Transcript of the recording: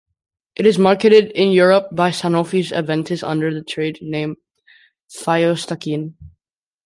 It is marketed in Europe by Sanofi-Aventis under the trade name Pyostacine.